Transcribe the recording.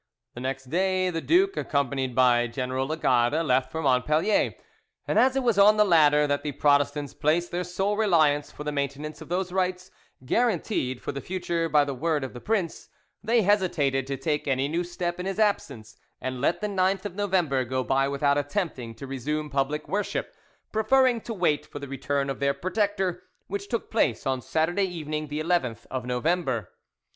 The next day the duke, accompanied by General Lagarde, left for Montpellier; and as it was on the latter that the Protestants placed their sole reliance for the maintenance of those rights guaranteed for the future by the word of the prince, they hesitated to take any new step in his absence, and let the 9th of November go by without attempting to resume public worship, preferring to wait for the return of their protector, which took place on Saturday evening the 11th of November.